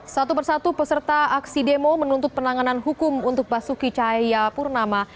satu persatu peserta aksi demo menuntut penanganan hukum untuk basuki cahayapurnama